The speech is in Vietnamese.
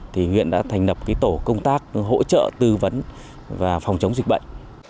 thì huyện đã thành lập tổ công tác hỗ trợ tư vấn và phòng chống dịch bệnh